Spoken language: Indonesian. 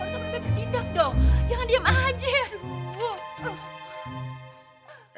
harus ambil bebek didak dong jangan diem aja ya lo